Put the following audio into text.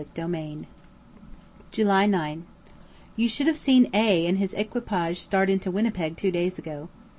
July 9. You should have seen A and his equipage start into Winnipeg two days ago.